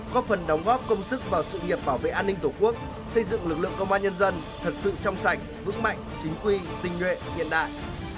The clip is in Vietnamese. góp phần đóng góp công sức vào sự nghiệp bảo vệ an ninh tổ quốc xây dựng lực lượng công an nhân dân thật sự trong sạch vững mạnh chính quy tình nguyện hiện đại